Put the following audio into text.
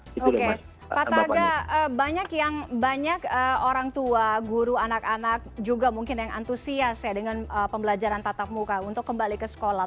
oke pak taga banyak orang tua guru anak anak juga mungkin yang antusias ya dengan pembelajaran tatap muka untuk kembali ke sekolah